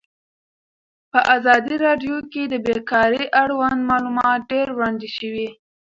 په ازادي راډیو کې د بیکاري اړوند معلومات ډېر وړاندې شوي.